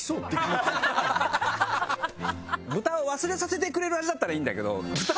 豚を忘れさせてくれる味だったらいいんだけど。